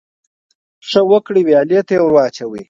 ـ ښه وکړه ، ويالې ته يې واچوه.